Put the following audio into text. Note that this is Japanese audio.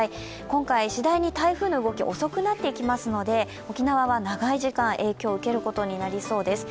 今回、しだいに台風の動き遅くなっていきますので沖縄は長い時間、影響を受けることになりそうです。